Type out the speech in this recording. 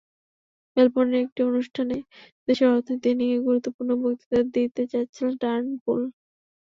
মেলবোর্নের একটি অনুষ্ঠানে দেশের অর্থনীতি নিয়ে গুরুত্বপূর্ণ বক্তৃতা দিতে যাচ্ছিলেন টার্নবুল।